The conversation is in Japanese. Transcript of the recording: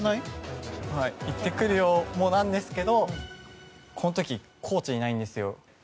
行ってくるよもなんですけどこの時、コーチいないんですよ。